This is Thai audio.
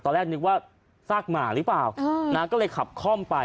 นึกว่าซากหมาหรือเปล่าก็เลยขับคล่อมไป